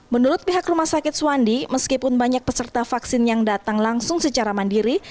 menurut pihak rumah sakit suwandi meskipun banyak peserta vaksin yang datang langsung secara mandiri